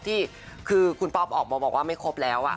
ที่คือคุณป๊อปออกมาบอกว่าไม่ครบแล้ว